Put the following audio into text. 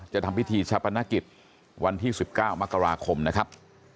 ทำพิธีชาปนกิจวันที่๑๙มกราคมนะครับ